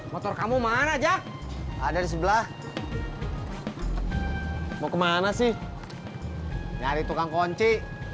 motor kamu mana aja ada di sebelah mau kemana sih nyari tukang kunci